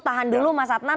tahan dulu mas atnan